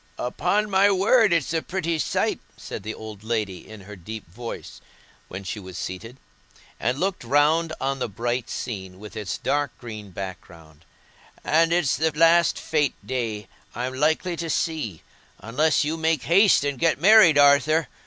"Upon my word it's a pretty sight," said the old lady, in her deep voice, when she was seated, and looked round on the bright scene with its dark green background; "and it's the last fête day I'm likely to see, unless you make haste and get married, Arthur.